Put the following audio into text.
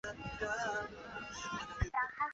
国际私法有狭义与广义的。